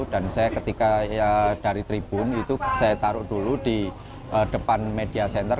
dan saya ketika dari tribun itu saya taruh dulu di depan media center